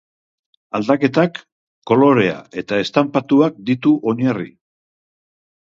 Aldaketak, kolorea eta estanpatuak ditu oinarri.